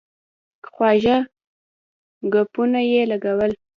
خواږه ګپونه یې لګول.